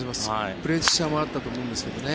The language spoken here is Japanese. プレッシャーもあったと思うんですけどね。